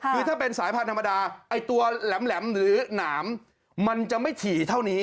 คือถ้าเป็นสายพันธุ์ธรรมดาไอ้ตัวแหลมหรือหนามมันจะไม่ถี่เท่านี้